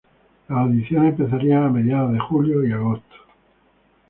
Las audiciones empezarían a mediados de julio y agosto.